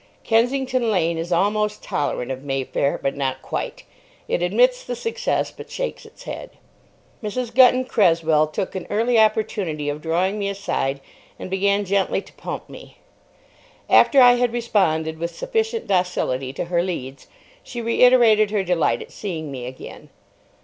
Kensington Lane is almost tolerant of Mayfair. But not quite. It admits the success, but shakes its head. Mrs. Gunton Cresswell took an early opportunity of drawing me aside, and began gently to pump me. After I had responded with sufficient docility to her leads, she reiterated her delight at seeing me again.